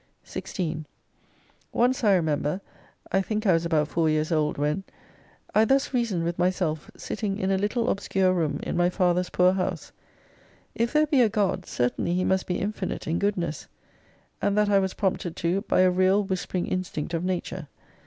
16 Once I remember ( I think I was about 4 years old when ) I thus reasoned with myself, sitting in a little obscure room in my father's poor house : If there be a God, certainly He must be infinite in Goodness : and that I was prompted to, by a real whispering instinct of Nature.